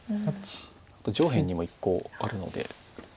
あと上辺にも１コウあるので。